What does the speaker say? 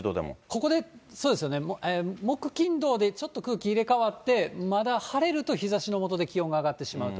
ここで、そうですよね、木、金、土でちょっと空気入れ替わって、まだ晴れると日ざしの下で気温が上がってしまうと。